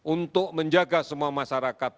untuk menjaga semua masyarakat